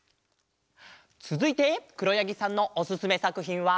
つづいてくろやぎさんのおすすめさくひんは。